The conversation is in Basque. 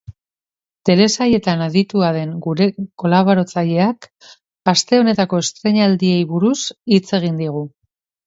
Telesailetan aditua den gure kolaboratzaileak aste honetako estreinaldiei buruz hitz egin digu.